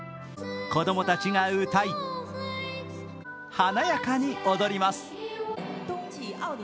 子供たちが歌い、華やかに踊ります。